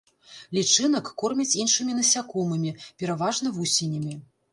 Лічынак кормяць іншымі насякомымі, пераважна вусенямі.